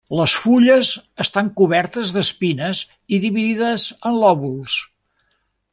Les fulles estan cobertes d'espines i dividides en lòbuls.